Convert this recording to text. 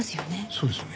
そうですね。